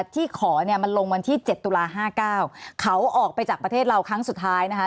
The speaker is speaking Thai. ที่ขอเนี่ยมันลงวันที่๗ตุลา๕๙เขาออกไปจากประเทศเราครั้งสุดท้ายนะคะ